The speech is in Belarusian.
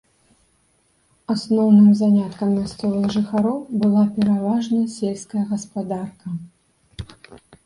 Асноўным заняткам мясцовых жыхароў была пераважна сельская гаспадарка.